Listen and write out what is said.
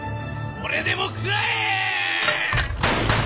これでも食らえ！